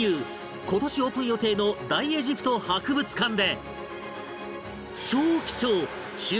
今年オープン予定の大エジプト博物館で